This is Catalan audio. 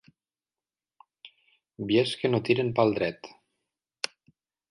Vies que no tiren pel dret.